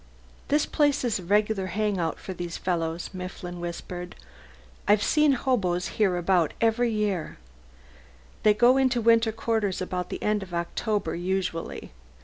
"This place is a regular hang out for these fellows," Mifflin whispered. "I've seen hoboes about here every year. They go into winter quarters about the end of October, usually.